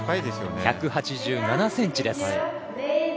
１８７ｃｍです。